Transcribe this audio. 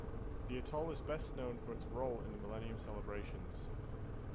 The atoll is best known for its role in the millennium celebrations.